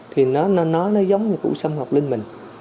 thì nó giống như cụ sâm ngọc linh mình